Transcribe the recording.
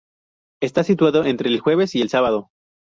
Está situado entre el jueves y el sábado.